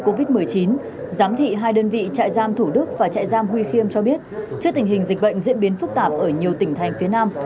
ubnd tp hcm cho biết trước tình hình dịch bệnh diễn biến phức tạp ở nhiều tỉnh thành phía nam